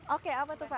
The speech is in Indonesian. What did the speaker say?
oke apa tuh pak